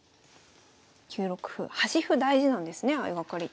端歩大事なんですね相掛かり。